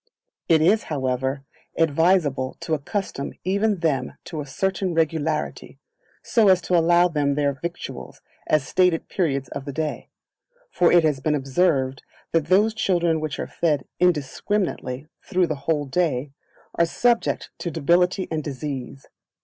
It is, however, advisable to accustom even them to a certain regularity, so as to allow them their victuals at stated periods of the day; for it has been observed that those children which are fed indiscriminately through the whole day, are subject to debility and disease.